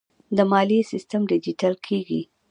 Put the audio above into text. د مالیې سیستم ډیجیټل کیږي